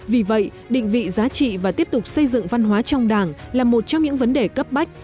vì vậy định vị giá trị và tiếp tục xây dựng văn hóa trong đảng là một trong những vấn đề cấp bách